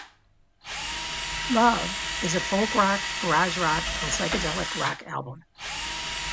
"Love" is a folk rock, garage rock and psychedelic rock album.